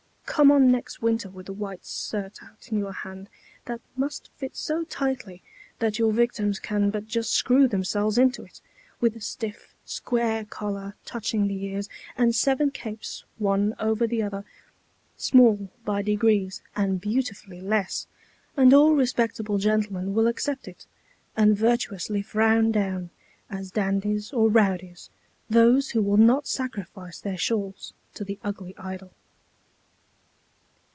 Come on next winter with a white surtout in your hand that must fit so tightly that your victims can but just screw themselves into it, with a stiff, square collar touching the ears, and seven capes, one over the other, "small by degrees and beautifully less," and all respectable gentlemen will accept it, and virtuously frown down, as dandies or rowdies, those who will not sacrifice their shawls to the ugly idol.